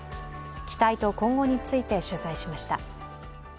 期待と今後について取材しました。